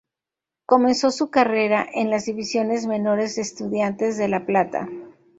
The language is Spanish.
Comenzó su carrera en las divisiones menores de Estudiantes de La Plata.